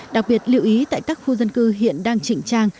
đặc biệt lưu ý tại các khu dân cư hiện đang trịnh trang